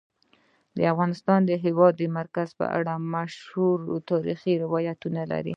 افغانستان د د هېواد مرکز په اړه مشهور تاریخی روایتونه لري.